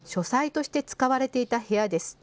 書斎として使われていた部屋です。